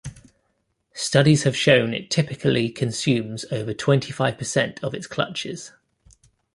Studies have shown it typically consumes over twenty-five percent of its clutches.